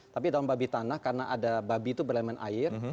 tapi daun babi tanah karena ada babi itu berlemen air